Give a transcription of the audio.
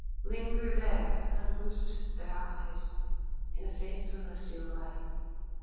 Lingered there and loosed their eyes In a faint celestial light.